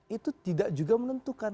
itu tidak juga menentukan